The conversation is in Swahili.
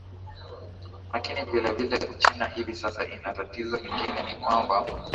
lakina vile vile uchina hivi sasa inatatizo lingine ni kwamba